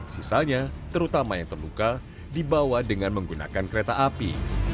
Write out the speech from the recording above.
sisanya terutama yang terluka dibawa dengan menggunakan kereta api